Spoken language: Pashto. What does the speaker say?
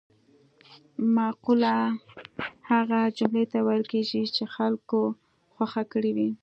مقوله هغه جملې ته ویل کیږي چې خلکو خوښه کړې وي